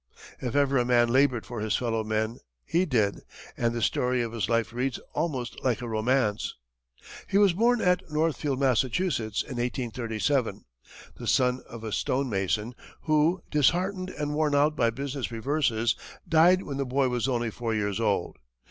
If ever a man labored for his fellow men, he did, and the story of his life reads almost like a romance. He was born at Northfield, Massachusetts, in 1837, the son of a stone mason, who, disheartened and worn out by business reverses, died when the boy was only four years old.